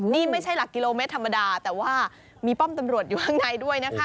นี่ไม่ใช่หลักกิโลเมตรธรรมดาแต่ว่ามีป้อมตำรวจอยู่ข้างในด้วยนะคะ